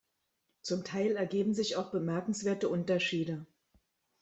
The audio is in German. Zum Teil ergeben sich auch bemerkenswerte Unterschiede.